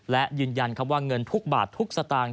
และยืนยันว่าเงินทุกบาททุกสตางค์